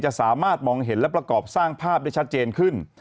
สามารถมองเห็นและประกอบสร้างภาพได้ชัดเจนขึ้น